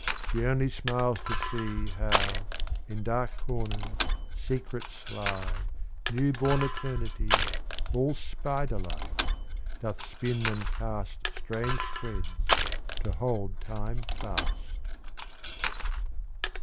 She only smiles to see How in dark corners secret sly Newborn Eternity, All spider like, doth ipin and Mrange threads to hold Time fast.